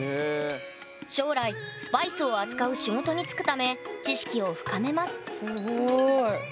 将来スパイスを扱う仕事に就くため知識を深めますすごい。